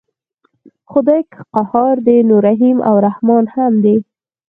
خدای که قهار دی نو رحیم او رحمن هم دی.